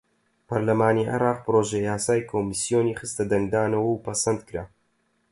پەڕلەمانی عێراق پڕۆژەیاسای کۆمیسیۆنی خستە دەنگدانەوە و پەسەندکرا.